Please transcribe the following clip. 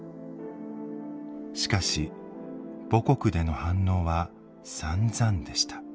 しかし母国での反応はさんざんでした。